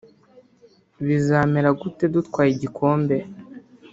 bizamera gute dutwaye igikombe